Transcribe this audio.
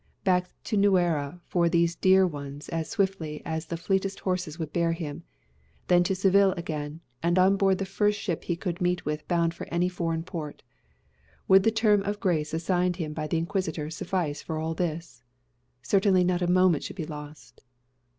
Back to Nuera for these dear ones as swiftly as the fleetest horses would bear him, then to Seville again, and on board the first ship he could meet with bound for any foreign port, would the term of grace assigned him by the Inquisitor suffice for all this? Certainly not a moment should be lost.